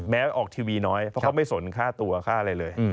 ออกทีวีน้อยเพราะเขาไม่สนค่าตัวค่าอะไรเลย